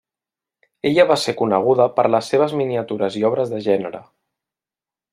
Ella va ser coneguda per les seves miniatures i obres de gènere.